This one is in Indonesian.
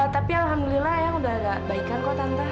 tapi alhamdulillah yang udah agak baik agak kok tante